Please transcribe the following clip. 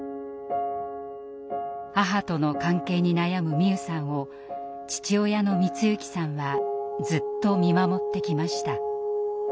母との関係に悩む美夢さんを父親の光行さんはずっと見守ってきました。